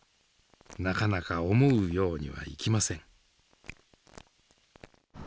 なかなか思うようにはいきません。